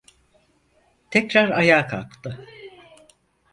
Tekrar ayağa kalktı.